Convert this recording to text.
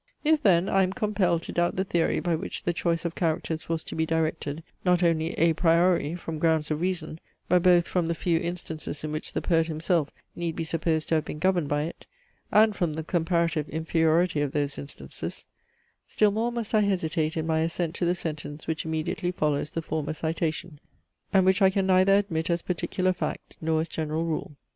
If then I am compelled to doubt the theory, by which the choice of characters was to be directed, not only a priori, from grounds of reason, but both from the few instances in which the poet himself need be supposed to have been governed by it, and from the comparative inferiority of those instances; still more must I hesitate in my assent to the sentence which immediately follows the former citation; and which I can neither admit as particular fact, nor as general rule.